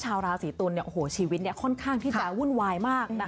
ชาวราศีตุลชีวิตค่อนข้างที่จะวุ่นวายมาก